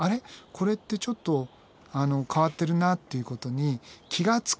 これってちょっと変わってるなっていうことに気が付く。